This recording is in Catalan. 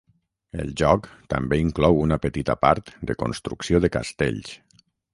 El joc també inclou una petita part de construcció de castells.